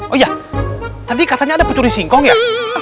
oh iya tadi katanya ada pencuri singkong ya